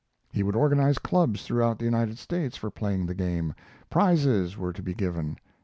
He would organize clubs throughout the United States for playing the game; prizes were to be given.